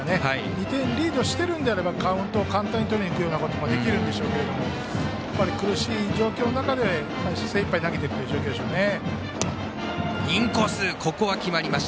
２点リードしてるのであればカウントを簡単にとりにいくこともできるんでしょうが苦しい状況の中で精いっぱい投げているという状況でしょうね。